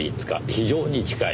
非常に近い。